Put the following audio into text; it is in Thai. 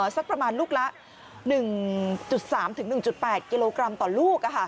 สักประมาณลูกละ๑๓๑๘กิโลกรัมต่อลูก